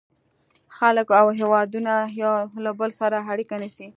• خلک او هېوادونه یو له بل سره اړیکه نیسي.